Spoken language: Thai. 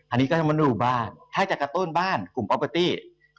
อันนี้ก็ต้องมาดูบ้านถ้าจะกระตุ้นบ้านกลุ่มปอลเบอร์ตี้